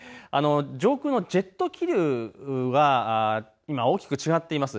上空のジェット気流は今大きく違っています。